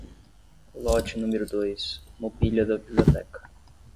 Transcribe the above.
Lote número dois: mobília da biblioteca.